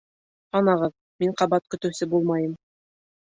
Һанағыҙ, мин ҡабат көтөүсе булмайым.